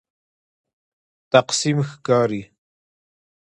تقسیم ښکاري.